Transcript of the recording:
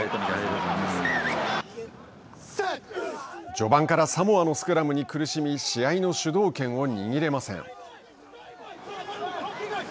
序盤からサモアのスクラムに苦しみ試合の主導権を握れません。